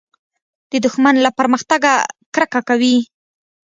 دښمن له پرمختګه کرکه کوي